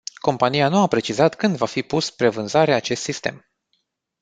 Compania nu a precizat când va fi pus spre vânzare acest sistem.